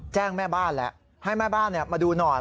แจ้งแม่บ้านแล้วให้แม่บ้านมาดูหน่อย